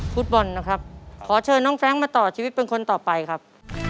ฟุตบอลนะครับขอเชิญน้องแฟรงค์มาต่อชีวิตเป็นคนต่อไปครับ